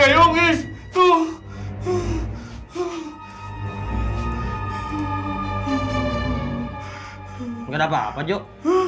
gak ada apa apa jok